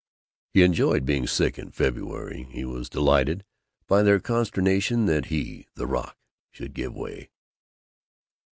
He enjoyed being sick in February; he was delighted by their consternation that he, the rock, should give way.